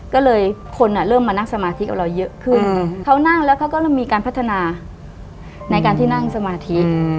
ก็เลยคนเริ่มมานั่งสมาธิกับเราเยอะขึ้นเขานั่งแล้วเขาก็เริ่มมีการพัฒนาในการที่นั่งสมาธิ